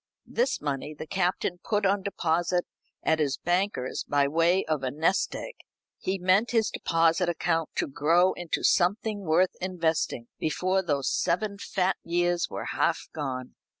This money the Captain put on deposit at his banker's, by way of a nest egg. He meant his deposit account to grow into something worth investing before those seven fat years were half gone.